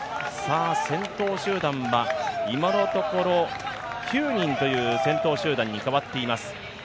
先頭集団は今のところ９人という先頭集団に変わっています。